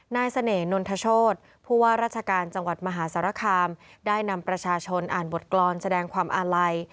เสน่หนนทโชธผู้ว่าราชการจังหวัดมหาสารคามได้นำประชาชนอ่านบทกรรมแสดงความอาลัย